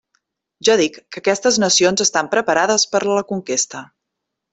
Jo dic que aquestes nacions estan preparades per a la conquesta.